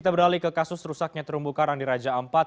kita beralih ke kasus rusaknya terumbu karang di raja ampat